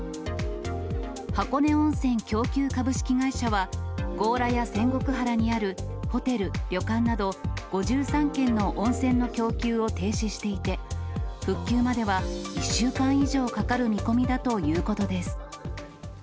箱根温泉供給株式会社は、強羅や仙石原にあるホテル、旅館など５３軒の温泉の供給を停止していて、復旧までは１週間以上かかる見込みだということです。